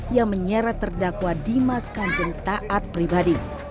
yang menyeret terdakwa dimas kanjeng taat pribadi